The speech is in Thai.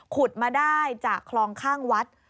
ขุดมาได้จากคลองข้างวัด